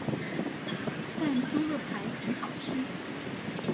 但豬肋排很好吃